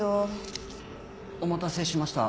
お待たせしました。